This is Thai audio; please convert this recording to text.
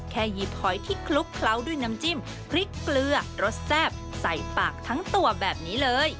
หยิบหอยที่คลุกเคล้าด้วยน้ำจิ้มพริกเกลือรสแซ่บใส่ปากทั้งตัวแบบนี้เลย